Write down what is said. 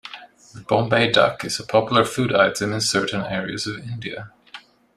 The Bombay duck is a popular food item in certain areas of India.